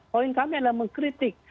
poin kami adalah mengkritik